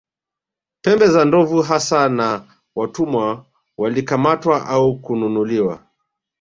Pembe za ndovu hasa na Watumwa walikamatwa au kununuliwa